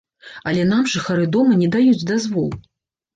Але нам жыхары дома не даюць дазвол.